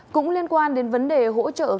cũng liên quan đến vấn đề hỗ trợ cá nhân